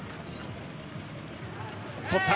取った。